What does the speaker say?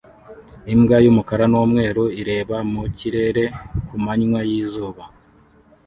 Imbwa y'umukara n'umweru ireba mu kirere ku manywa y'izuba